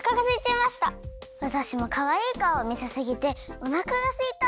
わたしもかわいいかおをみせすぎておなかがすいた！